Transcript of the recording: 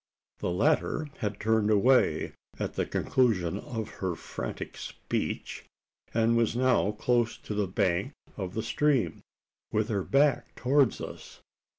The latter had turned away at the conclusion of her frantic speech; and was now close to the bank of the stream, with her back towards us.